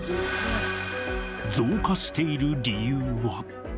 増加している理由は。